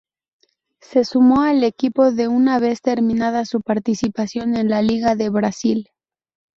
Se sumó al equipo una vez terminada su participación en la liga de Brasil.